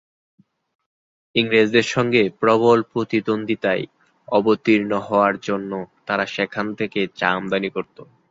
ইংরেজদের সঙ্গে প্রবল প্রতিদ্বন্দ্বিতায় অবতীর্ণ হওয়ার জন্য তারা সেখান থেকে চা আমদানি করত।